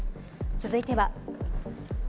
続いては。